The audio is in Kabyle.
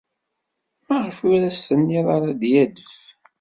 Maɣef ur as-tennid ara ad d-yadef?